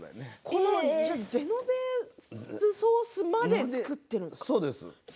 ジェノベーゼソースまで作っているんですか。